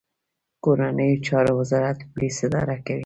کورنیو چارو وزارت پولیس اداره کوي